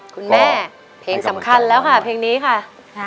คุณแม่เพลงสำคัญแล้วค่ะเพลงนี้ค่ะ